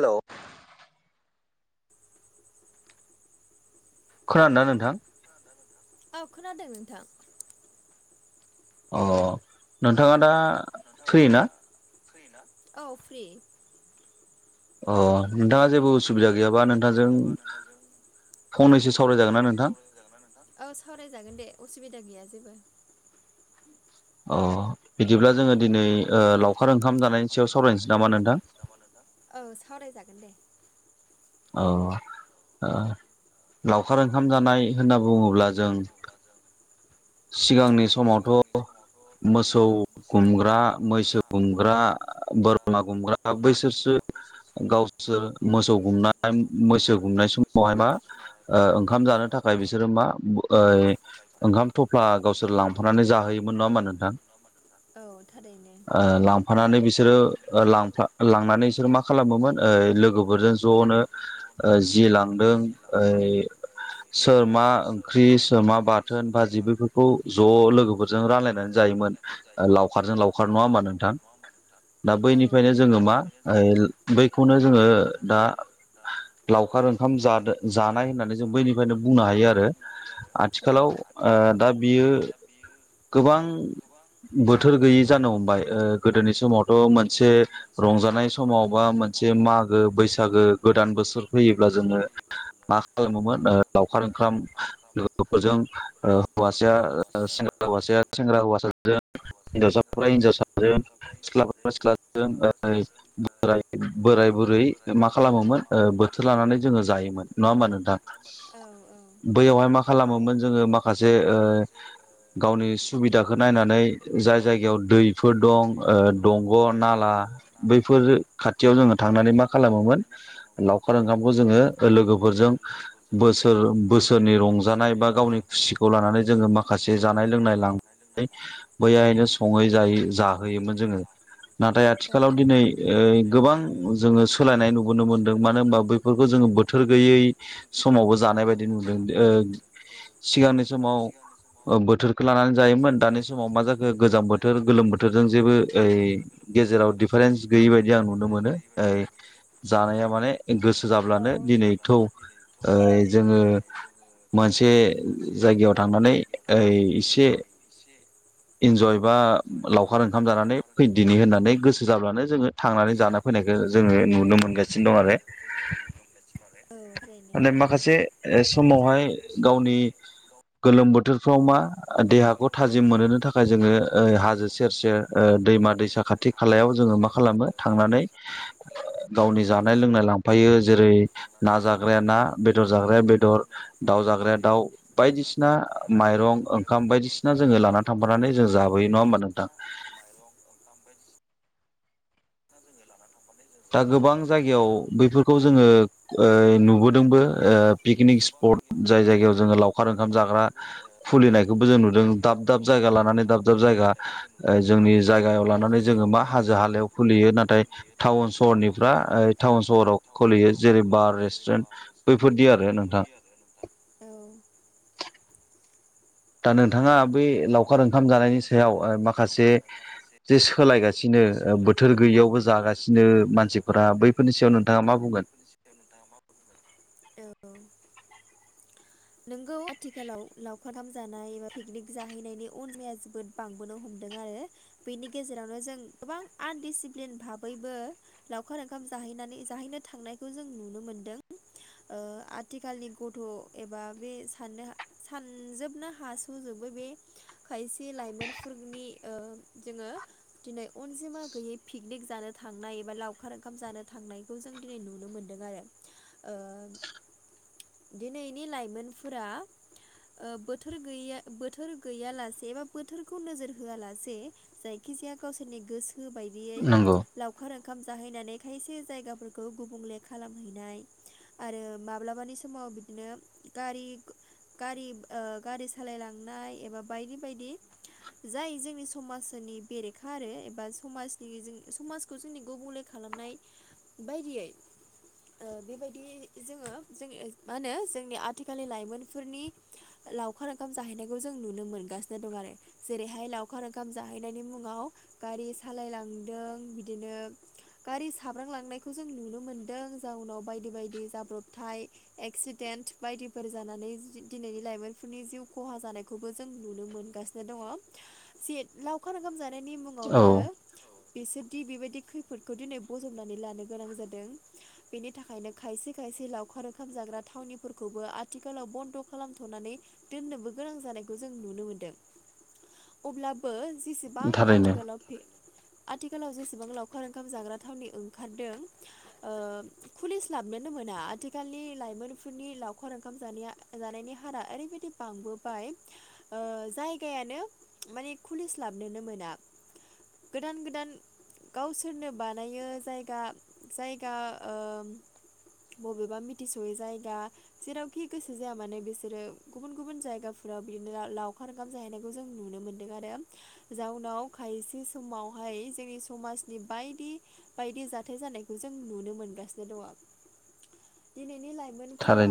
हेल' खोनादोंना नोंथां? औ खोनादों नोंथां। अ नोंथाङा दा नोंथाङा दा फ्रि ना औ फ्रि। अ नोंथाङा जेबो नोंथाङा जेबो उसुबिदा गैयाबा नोंथांजों फंनैसो सावरायनाय जागोन ना नोंथां औ सावरायजागोन दे उसुबिदा गैया जेबो अ बिदिब्ला जोङो दिनै ओ लावखार ओंखाम जानायनि सायाव सावरायनोसै नामा नोंथां होब्मा‌ नोंथां औ सावरायजागोन दे औ लावखार ओ- ओंखाम जानाय होनना बुङोब्ला जों सिगांनि समावथ' मोसौ गुमग्रा मैसो गुमग्रा बोरमा गुमग्रा बैसोरसो गावसोर मोसौ गुमनाय मैसो गुमनाय समावहाय मा ओ-ओंखाम जानो थाखाय बिसोरो मा ओंखाम थफ्ला गावसोर लांफानानै जाहोयोमोन नङा होमा नोंथां? औ थारैनो। लांफानानै बिसोरो ओ-लांनानै बिसोरो मा खालामोमोन ओ-लोगोफोरजों ज'नो ओ-जि लांदों ओफ ओ- सोर मा ओंख्रि सोर मा बाथोन बाजिबैफोरखौ ज' लोगोफोरजों रानलायनानै जायोमोन। लावखारजों लावखार नङा होमबा नोंथां? दा बैनिफ्रायनो जोङो मा ओ-बैखौनो जोङो दा लावखार ओंखाम जादो जानाय होननानै जों बैनिफ्रायनो बुंनो हायो आरो। आथिखालाव ओ-दा बियो गोबां बोथोर गैयि जानो हमबाय ओ-गोदोनि समावथ' मोनसे रंजानाय समाव बा मोनसे मागो बैसागो गोदान बोसोर फैयोब्ला जोङो मा खालामोमोन ओ-लावखार ओंखाम लोगोफोरजों ओ-हौवासाया सेंग्रा हौवाया सेंग्रा हौवासाजों हिनजावसाफोरा हिनजावसाजों सिख्ला [unintelligible] सिख्लाजों। बोर बोराय बुरै मा खालामोमोन ओ-बोथोर लानानै जोङो जायोमोन नङा होमबा नोंथां? औ औ बैयावहाय मा खालामोमोन जोङो माखासे ओ - गावनि सुबिदाखौ नायनानै जाय जायगायाव दैफोर दं ओ-दंग' नाला बैफोर खाथियाव जोङो थांनानै मा खालामोमोन लावखार ओंखामखौ जोङो लोगोफोरजों। बोसोर बोसोरनि रंजानाय बा गावनि खुसिखौ लानानै जोङो माखासे जानाय लोंनाय लांनानै बैयायैनो सङै जायै जाहोयोमोन जोङो नाथाय आथिखालाव दिनै ओ-गोबां जोङो सोलायनाय नुबोनो मोनदों मानो होनबा बैफोरखौ जोङो बोथोर गैयै समावबो जानाय बायदि नुदों ओ- सिगांनि समाव ओ-बोथोरखौ लानानै जायोमोन दानि समाव मा जा गोजां बोथोर गोलोम बोथोरजों जेबो ओइ गेजेराव दिफारेन्स गैयै बायदि आं नुनो मोनो ओ- जानाया माने गोसो जाब्लानो दिनै थौ ओ-जोङो मोनसे जायगायाव थांनानै ओ-एसे इन्जय बा लावखार ओंखाम जानानै फैदिनि होननानै गोसो जाब्लानो जोङो थांनानै जाना होनायखो जोङो नुनो मोनगासिनो दं आरो [unintelligible] औ ओरैनो खासे ओ समावहाय गावनि गोलोम बोथोरफ्राव मा देहाखौ थाजिम मोनोनो थाखाय जोङो हाजो सेर सेर दैमा दैसा खाथि खालायाव जोङो मा खालामो थांनानै गावनि जानाय लोंनाय लांफायो जेरै ना जाग्राया ना बेदर जाग्राया बेदर दाउ जाग्राया दाउ बायदिसिना माइरं ओंखाम बायदिसिना जोङो लानानै थांफानानै जों जाबोयो नङा होमबा नोंथां? दा गोबां जायगायाव बैफोरखौ जोङो ओ-नुबोदोंबो ओ-पिकनिक स्पट जाय जायगायाव जोङो लावखार ओंखाम जाग्रा खुलिनायखौबो जों नुदों दाब दाब जायगा लानानै दाब दाब जायगा ओ-जोंनि जायगायाव लानानै जोङो मा हाजो हालायाव खुलियो नाथाय थाउन सहरनिफ्रा ओ थाउन सहराव खलियो जेरै बार रेस्टुरेन्ट बैफोरदि आरो नोंथां औ दा नोंथाङा बै लावखार ओंखाम जानायनि सायाव ओ माखासे जे सोलायगासिनो ओ बोथोर गैयियावबो जागासिनो मानसिफोरा बैफोरनि सायाव नोंथाङा मा बुंगोन? नोंगौ आथिखालाव लावखार खाम जानाय एबा फिकनिक जाहैनायनि अनजिमाया जोबोद बांबोनो हमदों आरो बेनि गेजेरावनो जों गोबां आनडिसिप्लिन भाबैबो लावखार ओंखाम जाहैनानै जाहैनो थांनायखौ जों नुनो मोनदों। ओ आथिखालनि गथ' एबा बे साननो सानजोबनो हास'जोबो बे खायसे लाइमोनफोरनि ओ जोङो दिनै अनजिमा गैयै फिकनिक जानो थांनाय एबा लावखार ओंखाम जानो थांनाय खौ‌ जों नुनो मोनदों आरो ओ दिनैनि लायमोन फोरा ओ बोथोर गैया बोथोर गैयालासे एबा बोथोरखौ नोजोर होआलासे जायखिजाया गावसोरनि गोसो बायदियै लावखार ओंखाम जाहैनानै खायसे जायगाफोरखौ गुबुंले खालामहैनाय आरो माब्लाबानि समाव बिदिनो गारि गारिब ओ गारि सालायलांनाय एबा बायदि बायदि जाय जोंनि समाजनि बेरेखा आरो एबा समाजनि जों समाज खौ जोंनि गुबुंले खालामनाय बायदियै ओ बेबायदि जोङो जों मा होनो जोंनि आथिखालनि लाइमोनफोरनि लावखार ओंखाम जाहैनायखौ जों नुनो मोनगासिनो दं आरो जेरैहाय लावखार ओंखाम जाहैनायनि मुङाव गारि सालायलांदों बिदिनो गारि साब्रांलांनायखौ जों नुनो मोन्दों जाउनाव बायदि-बायदि जाब्रबथाय एक्सिडेन्ट बायदिफोर जानानै दिनैनि लाइमोनफोरनि जिउ खहा जानायखौबो जों नुनो मोनगासिनो दङ'। जे लावखार ओंखाम जानायनि मुङावनो बिसोरदि बेबायदि खैफोदखौ दिनै बजबनानै लानो गोनां जादों बेनि थाखायनो खायसे-खायसे लावखार ओंखाम जाग्रा थावनि फोरखौबो आथिखालाव बन्द' खालामथ'नानै दोननोबो गोनां जानायखौ जों नुनो मोनदों। [inaudible] अब्लाबो जेसेबां आथिखालाव फै आथिखालाव जेसेबां लावखार ओंखाम जाग्रा थावनि ओंखारदों ओ खुलिस्लाबनोनो मोना आथिखालनि लाइमोन फोरनि लावखार ओंखाम जानाया जानायनि हारा ओरैबायदि बांबोबाय जायगायानो माने खुलिस्लाबनोनो मोना। गोदान गोदान गावसोरनो बानायो जायगा जायगा। बबेबा मिथिस'यै जायगा जेरावखि गोसो जाया मानो बिसोरो गुबुन गुबुन जायगाफोराव बिदिनो लावखार ओंखाम जाहैनायखौ जों नुनो मोनदों आरो। जाउनाव खायसे समावहाय जोंनि समाजनि बायदि बायदि जाथाय जानायखौ जों नुनो मोनगासिनो दङ'। दिनैनि लाइमोन फोरा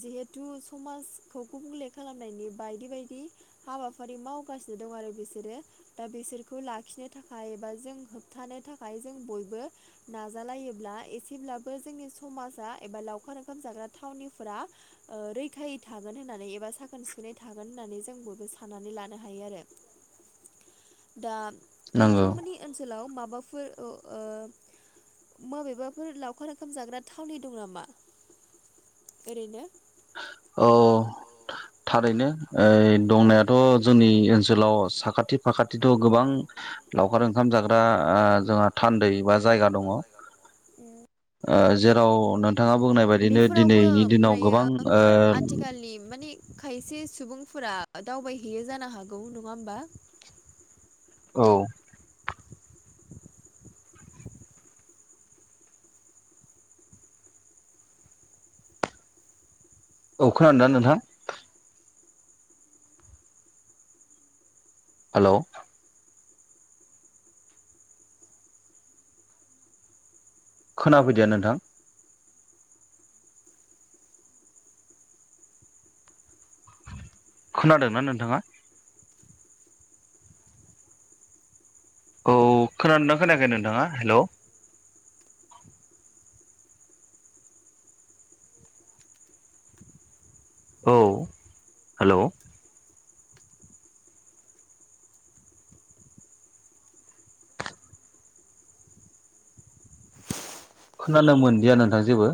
जिहेथु समाजखौ गुबुंले खालामनायनि बायदि बायदि हाबाफारि मावगासिनो दं आरो बिसोरो दा बिसोरखौ लाखिनो थाखाय एबा जों होबथानो थाखाय जों बयबो नाजालायोब्ला एसेब्लाबो जोंनि समाजा एबा लावखार ओंखाम जाग्रा थावनिफोरा ओ रैखायै थागोन होननानै एबा साखोन सिखोनै थागोन होननानै जों बयबो साननानै लानो हायो आरो। दा नोंथांमोननि ओनसोलाव माबाफोर औ ओ मबेबाफोर लावखार ओंखाम जाग्रा थावनि दं नामा? ओरैनो। औ थारैनो ओ दंनाया थ' जोंनि ओनसोलाव साखाथि फाखाथिथ' गोबां। लावखार ओंखाम जाग्रा ओ जोंहा थान्दै बा जायगा दङ। ओ जेराव नोंथाङा बुंनाय बायदिनो दिनैनि दिनाव गोबां। आथिखाल आालनि माने खायसे सुबुंफोरा दावबायहैयो जानो हागौ नङा होमबा। औ। [unintelligible] औ खोनादों ना नोंथां। हेल'। खोनाफैदिया नोंथां। खोनादोंना नोंथाङा? औ खोनादोंना खोनायाखै नोंथाङा हेल'। औ हेल'। खोनानो मोनदिया नोंथां जेबो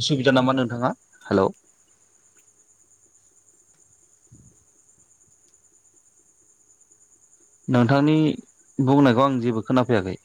उसुबिदा नामा नोंथाङा हेल'? नोंथांनि बुंनायखौ आं जेबो खोनाफैयाखै